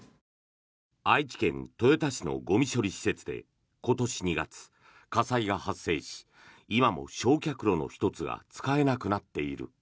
愛知県豊田市のゴミ処理施設で今年２月火災が発生し今も焼却炉の１つが使えなくなっている。